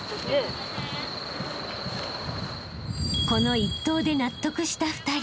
［この一投で納得した２人］